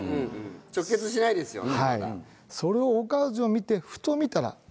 直結しないですよねまだ。